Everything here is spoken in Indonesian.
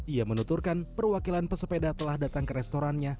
ia menuturkan perwakilan pesepeda telah datang ke restorannya